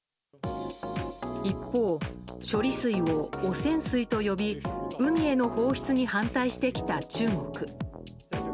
一方、処理水を汚染水と呼び海への放出に反対してきた中国。